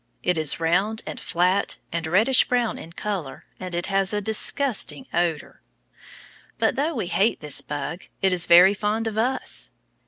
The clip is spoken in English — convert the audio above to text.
It is round and flat, and reddish brown in color, and it has a disgusting odor. But though we hate this bug, it is very fond of us.